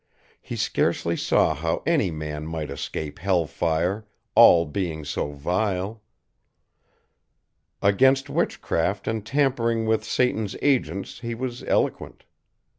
He scarcely saw how any man might escape hell fire, all being so vile. Against witchcraft and tampering with Satan's agents he was eloquent.